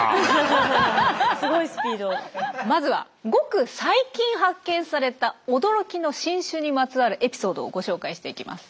まずはごく最近発見された驚きの新種にまつわるエピソードをご紹介していきます。